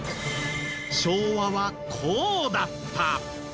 昭和はこうだった。